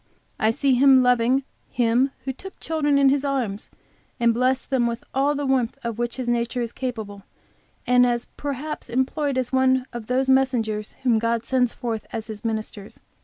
I see him loving Him who took children in His arms and blessed them, with all the warmth of which his nature is capable, and as perhaps employed as one of those messengers whom God sends forth as His ministers.